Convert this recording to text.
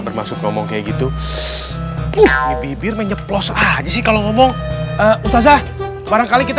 bermaksud ngomong kayak gitu bibir menyeblos aja sih kalau ngomong ustazah barangkali kita